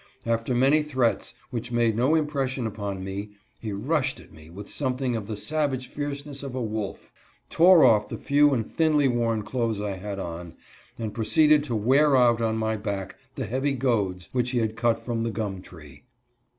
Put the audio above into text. After many threats, which made no impression upon me, he rushed at me with something of the savage fierceness of a wolf, 148 FRUITS OF HIS EDUCATION. tore off the few and thinly worn clothes I had on, and proceeded to wear out on my back the heavy goads which he had cut from the gum tree.